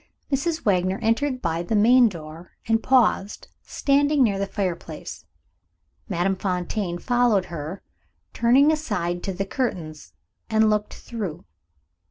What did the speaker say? Mrs. Wagner entered by the main door, and paused, standing near the fire place. Madame Fontaine, following her, turned aside to the curtains, and looked through.